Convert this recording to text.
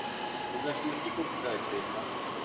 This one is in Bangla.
তুমি আসলে কী করতে চাচ্ছো ইরফান?